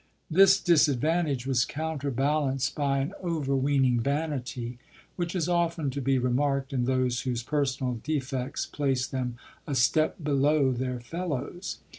This disadvantage was counterbalanced by an over weening vanity, which is often to be re marked in those whose personal defects place d 5 58 LODOIIE. them a step below their fellows.